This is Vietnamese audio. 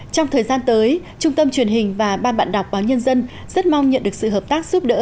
trong thời gian tới trung tâm truyền hình và ban bạn đọc báo nhân dân rất mong nhận được sự hợp tác giúp đỡ